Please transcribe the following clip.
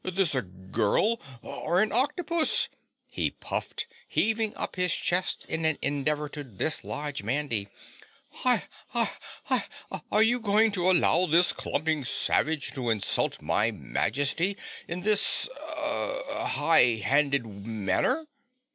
"Is it a girl or an octopus?" he puffed, heaving up his chest in an endeavor to dislodge Mandy. "Hi! Hi! Hi! Are you going to allow this clumping savage to insult my Majesty in this er high handed manner?"